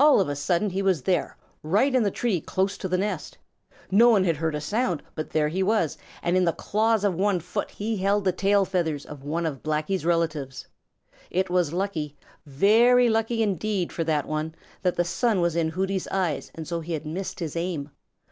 All of a sudden he was there, right in the tree close to the nest! No one had heard a sound, but there he was, and in the claws of one foot he held the tail feathers of one of Blacky's relatives. It was lucky, very lucky indeed for that one that the sun was in Hooty's eyes and so he had missed his aim.